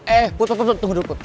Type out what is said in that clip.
eh put put put tunggu dulu put